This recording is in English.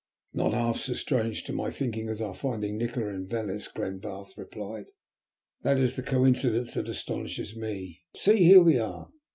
"Not half so strange to my thinking as our finding Nikola in Venice," Glenbarth replied. "That is the coincidence that astonishes me. But see, here we are."